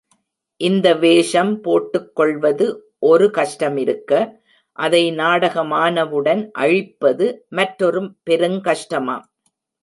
இந்த வேஷம் போட்டுக் கொள்வது ஒரு கஷ்டமிருக்க, அதை நாடகமானவுடன் அழிப்பது மற்றொரு பெருங் கஷ்டமாம்!